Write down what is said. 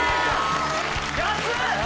安っ！